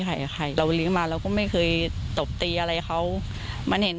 ใครกับใครเราเลี้ยงมาเราก็ไม่เคยตบตีอะไรเขามันเห็น